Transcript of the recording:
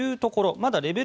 まだレベル